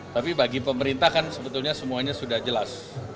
tapi bagi pemerintah kan sebetulnya semuanya sudah jelas